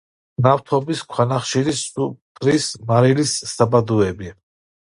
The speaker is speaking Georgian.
ნავთობის, ქვანახშირის, სუფრის მარილის საბადოები.